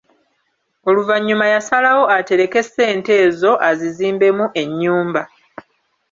Oluvannyuma yasalawo atereke ssente ezo azizimbemu ennyumba!